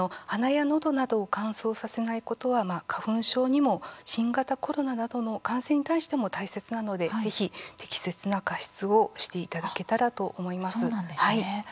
鼻やのどなどを乾燥させないことは、花粉症にも新型コロナなどの感染に対しても大切なので、ぜひ適切な加湿をしていただけたらと思います。